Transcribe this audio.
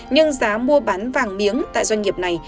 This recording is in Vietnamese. nhưng giá mua bán vàng miếng tại doanh nghiệp này